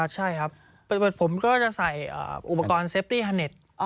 ใช่ครับผมก็จะใส่อุปกรณ์เซฟตี้ฮาเน็ต